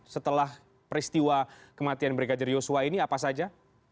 setelah peristiwa kematian brigadir yosua ini apa saja